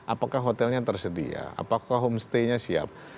apakah hotelnya tersedia apakah homestaynya siap